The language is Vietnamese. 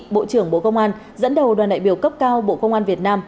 bộ trưởng bộ công an dẫn đầu đoàn đại biểu cấp cao bộ công an việt nam